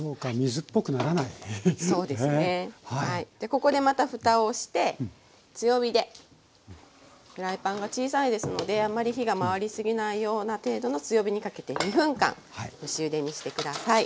ここでまたふたをして強火でフライパンが小さいですのであんまり火が回り過ぎないような程度の強火にかけて２分間蒸しゆでにして下さい。